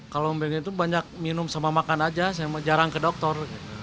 kalau pengen itu banyak minum sama makan aja sama jarang ke dokter